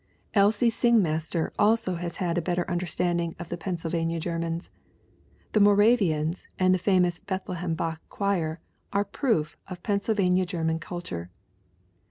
Elsie Singmaster also has had a better understanding of the Pennsylvania Germans. The Moravians and the famous Bethlehem Bach Choir are proof of Pennsylvania German culture.